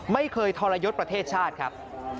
ไม่เคยทรยศประเทศชาติครับ